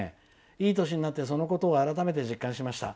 いい年になってそのことを改めて実感しました。